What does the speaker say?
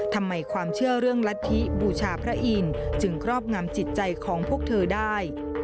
ความเชื่อเรื่องรัฐธิบูชาพระอินทร์จึงครอบงำจิตใจของพวกเธอได้